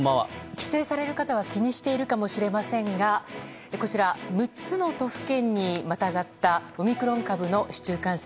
帰省される方は気にしているかもしれませんが６つの都府県にまたがったオミクロン株の市中感染。